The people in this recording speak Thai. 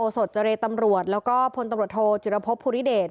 สดเจรตำรวจแล้วก็พลตำรวจโทจิรพบภูริเดช